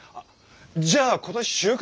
じゃあ今年就活？